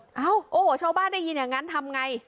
เอ้าโอ้โหชาวบ้านได้ยินอย่างนั้นทำไง